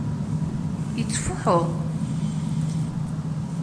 Yettfuḥu.